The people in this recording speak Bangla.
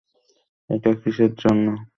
এটা কীসের জন্য?